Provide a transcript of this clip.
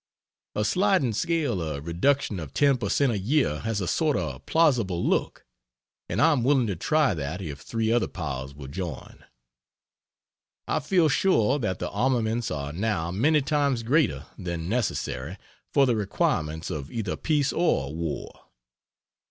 A sliding scale of reduction of 10 per cent a year has a sort of plausible look, and I am willing to try that if three other powers will join. I feel sure that the armaments are now many times greater than necessary for the requirements of either peace or war.